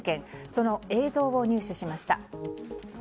その映像を入手しました。